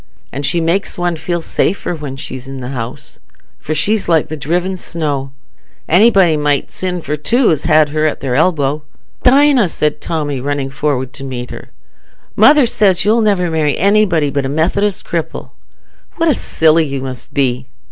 An' she makes one feel safer when she's i' the house, for she's like the driven snow: anybody might sin for two as had her at their elbow." "Dinah," said Tommy, running forward to meet her, "mother says you'll never marry anybody but a Methodist cripple. What a silly you must be!"